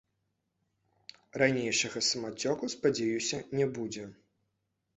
Ранейшага самацёку, спадзяюся, не будзе.